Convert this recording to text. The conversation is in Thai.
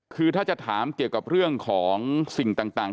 คือถ้าจะถามเกี่ยวกับเรื่องของสิ่งต่าง